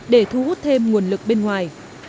để thu hút thêm nguồn lực bên ngoài